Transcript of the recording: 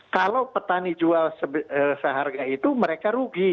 kalau petani jual seharga itu mereka rugi